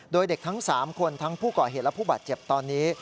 โดยเด็กทั้ง๓คนทั้งผู้ก่อเหตุและผู้บาดเจ็บตอนนี้